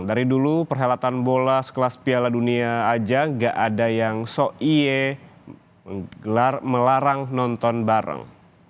dari dulu perhelatan bola sekelas piala dunia aja gak ada yang ⁇ oye ⁇ melarang nonton bareng